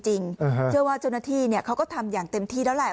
เชื่อว่าเจ้าหน้าที่เขาก็ทำอย่างเต็มที่แล้วแหละ